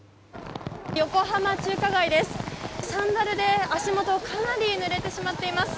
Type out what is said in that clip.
横浜中華街です。